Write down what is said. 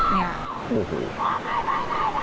นี่ค่ะ